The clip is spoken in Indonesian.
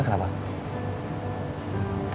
aku mau ngangguk